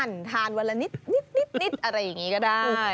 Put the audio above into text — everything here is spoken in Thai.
ทานวันละนิดอะไรอย่างนี้ก็ได้